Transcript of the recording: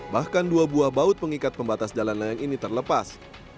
bahkan dua buah baut pengikat pembatas jalan layang ini terlepas